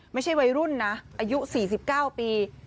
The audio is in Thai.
ไม่ใช่วัยรุ่นนะอายุ๔๙ปี